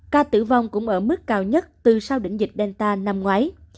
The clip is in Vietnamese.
ca tử vong cũng ở mức cao nhất từ sau đỉnh dịch delta năm ngoái